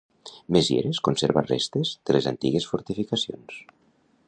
Mézières conserva restes de les antigues fortificacions.